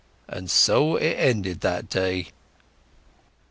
And so it ended that day."